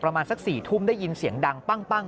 ประมาณสัก๔ทุ่มได้ยินเสียงดังปั้ง